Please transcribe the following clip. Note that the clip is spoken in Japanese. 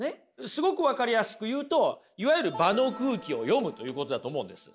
すごく分かりやすく言うといわゆる場の空気を読むということだと思うんです。